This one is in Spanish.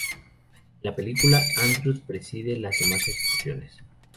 En la película, Andrus preside las demás ejecuciones.